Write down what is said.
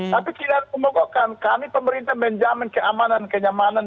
tapi tidak ada pemogokan kami pemerintah menjamin keamanan kenyamanan